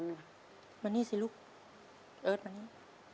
มานี่สิลูกเอิร์ทมานี่